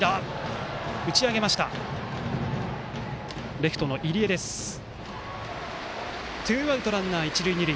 レフト、入江つかんでツーアウトランナー、一塁二塁。